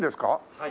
はい。